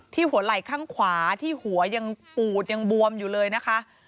หัวไหล่ข้างขวาที่หัวยังปูดยังบวมอยู่เลยนะคะ